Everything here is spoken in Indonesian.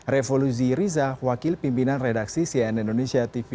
revo luzi riza wakil pimpinan redaksi cn indonesia tv